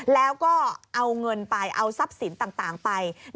แล้วก็เอาเงินไปเอาทรัพย์สินต่างไป